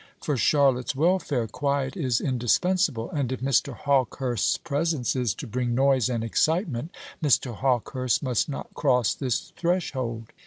For Charlotte's welfare quiet is indispensable; and if Mr. Hawkehurst's presence is to bring noise and excitement, Mr. Hawkehurst must not cross this threshold."